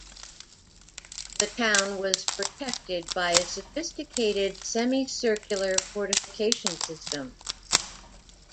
The town was protected by a sophisticated semicircular fortification system.